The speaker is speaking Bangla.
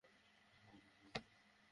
আমাকে একটা ড্রিংকস এনে দাও।